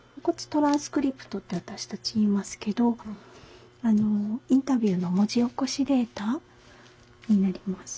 トランスクリプトって私たち言いますけどインタビューの文字起こしデータになります。